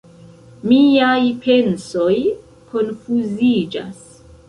Miaj pensoj konfuziĝas.